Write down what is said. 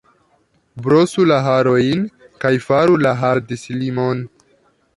Brosu la harojn kaj faru la hardislimon!